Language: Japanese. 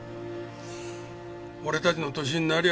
俺たちの年になりゃあ